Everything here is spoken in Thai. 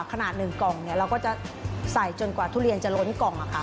ขนาด๑กล่องเราก็จะใส่จนกว่าทุเรียนจะล้นกล่อง